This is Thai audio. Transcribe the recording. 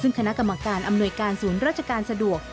ซึ่งคณะกรรมการอำนวยการศูนย์ราชการสะดวก